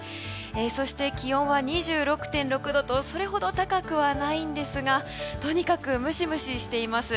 そして、気温は２６．６度とそれほど高くはないんですがとにかくムシムシしています。